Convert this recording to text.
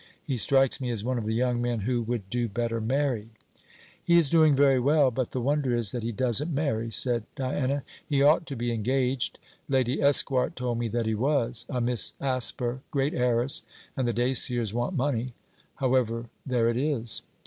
He strikes me as one of the young men who would do better married.' 'He is doing very well, but the wonder is that he doesn't marry,' said Diana. 'He ought to be engaged. Lady Esquart told me that he was. A Miss Asper great heiress; and the Daciers want money. However, there it is.'